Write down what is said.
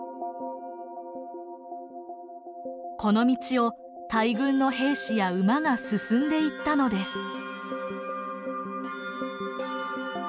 この道を大軍の兵士や馬が進んでいったのです。